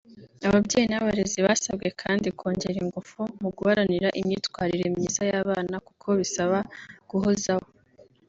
Ababyeyi n’abarezi basabwe kandi kongera ingufu mu guharanira imyitwarire myiza y’abana kuko bisaba guhozaho